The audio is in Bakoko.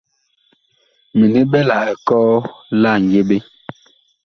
Mini ɓɛ la ekɔɔ la ŋyeɓe.